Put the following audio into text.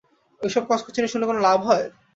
ঐসব কচকচানি শুনে কোনো লাভ হয়?